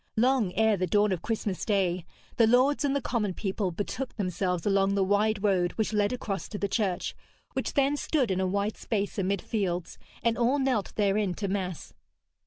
Long ere the dawn of Christmas Day, the lords and the common people betook themselves along the wide road which led across to the church, which then stood in a wide space amid fields, and all knelt therein to mass.